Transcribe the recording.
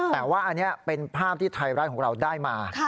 แต่ว่าอันนี้เป็นภาพที่ไทยรัฐของเราได้มา